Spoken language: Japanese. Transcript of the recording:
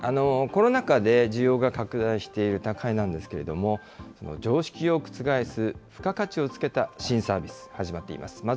コロナ禍で、需要が拡大している宅配なんですけれども、常識を覆す付加価値をつけた新サービス、始まっています。